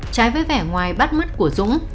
trái với vẻ ngoài bắt mắt của dũng